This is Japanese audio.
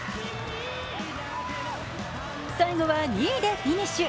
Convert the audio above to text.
最後は２位でフィニッシュ。